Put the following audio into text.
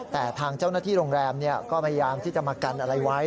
แต่ทางเจ้าหน้าที่โรงแรมก็พยายามที่จะมากันอะไรไว้